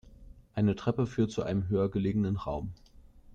Eine Treppe führt zu einem höher gelegenen Raum.